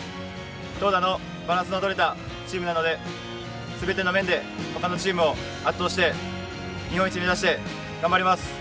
投打のバランスの取れたチームなので、すべての面で他のチームを圧倒して日本一目指して頑張ります。